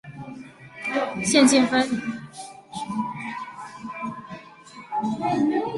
县境分属鄞县和回浦县。